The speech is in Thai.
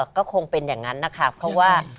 ก็คงเป็นอย่างนั้นนะคะเพราะว่า